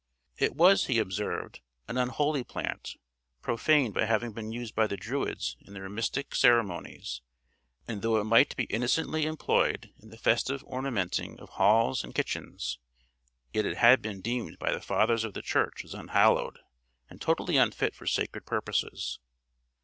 It was, he observed, an unholy plant, profaned by having been used by the Druids in their mystic ceremonies; and though it might be innocently employed in the festive ornamenting of halls and kitchens, yet it had been deemed by the Fathers of the Church as unhallowed, and totally unfit for sacred purposes.